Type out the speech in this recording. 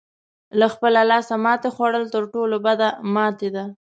له خپله لاسه ماتې خوړل تر ټولو بده ماتې ده.